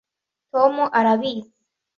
Tom arabizi